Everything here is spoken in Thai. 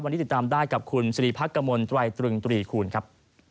วันนี้ติดตามได้กับคุณสิริพักกมลตรายตรึงตรีคูณครับ